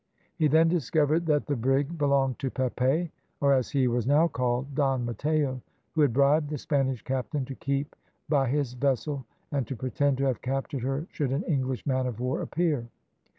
He then discovered that the brig belonged to Pepe, or, as he was now called, Don Matteo, who had bribed the Spanish captain to keep by his vessel and to pretend to have captured her should an English man of war appear.